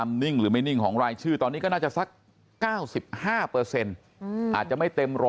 ตอนนี้ก็น่าจะสัก๙๕อาจจะไม่เต็ม๑๐๐